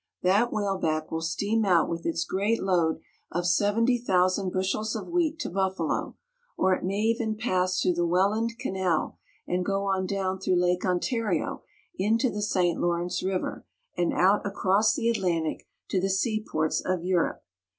That whaleback will steam out with its great load of seventy thousand Ore Docks at Duluth. bushels of wheat to Buffalo, or it may even pass through the Welland Canal and go on down through Lake Ontario into the St. Lawrence River, and out across the Atlantic to the seaports of Europe.